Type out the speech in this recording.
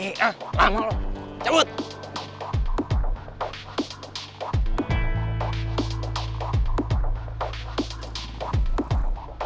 hah lama lu